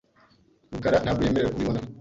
rukara ntabwo yemerewe kubibona .